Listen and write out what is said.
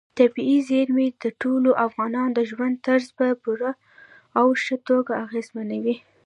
طبیعي زیرمې د ټولو افغانانو د ژوند طرز په پوره او ښه توګه اغېزمنوي.